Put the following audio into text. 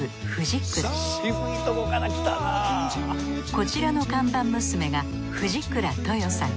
こちらの看板娘が藤倉豊さん。